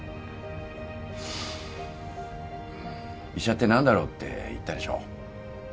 医者って何だろうって言ったでしょ。